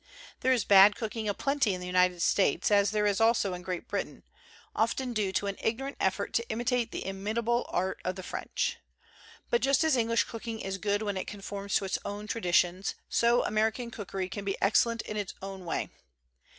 There is bad cook ing a plenty in the United States, as there is also in Great Britain; often due to an ignorant effort to imitate the inimitable art of the French. But just as English cooking is good when it con forms to its own traditions, so American cookery can be excellent in its own way.